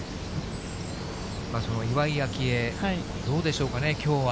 その岩井明愛、どうでしょうかね、きょうは。